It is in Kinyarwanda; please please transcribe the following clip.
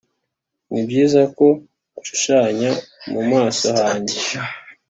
nibyiza ko nshushanya mu maso hanjye